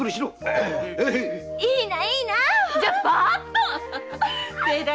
いいなじゃいいな！